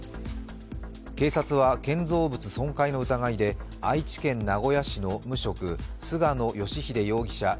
警察は建造物損壊の疑いで愛知県名古屋市の無職、菅野義秀容疑者